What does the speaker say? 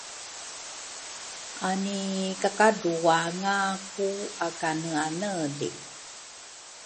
anika kadruanga ku akaneaneli?